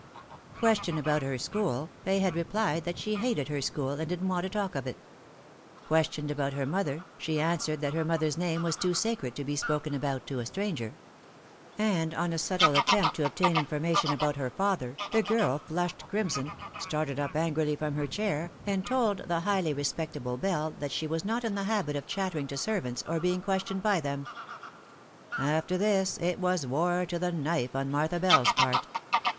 Questioned about her school, Fay had replied that she hated her school, and didn't want to talk of it. Questioned about her mother, she answered that her mother's name was too sacred to be spoken about to a stranger ; and on a subtle attempt to obtain information about her father, the girl flushed crimson, started up angrily from her chair, a ftd told the highly respectable Bell that she was not in the habit of chattering to servants, or being questioned by them. 24 The Fatal Three. After this it was war to the knife on Martha Bell's part.